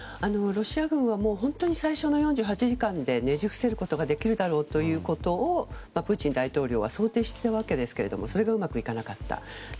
ロシア軍は本当に最初の４８時間でねじ伏せることができるだろうということをプーチン大統領は想定していたわけですがそれがうまくいかなかった。